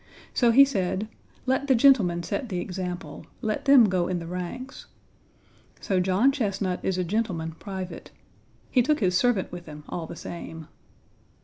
So he said: "Let the gentlemen set the example; let them go in the ranks." So John Chesnut is a gentleman private. He took his servant with him all the same.